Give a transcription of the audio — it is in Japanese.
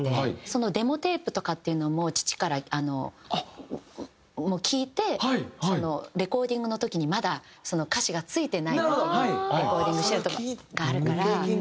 そのデモテープとかっていうのも父からあの聞いてレコーディングの時にまだ歌詞が付いてない時にレコーディングしてる事があるから。